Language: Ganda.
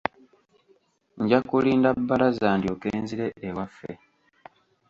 Nja kulinda Bbalaza ndyoke nzire ewaffe.